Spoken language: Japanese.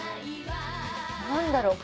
何だろう？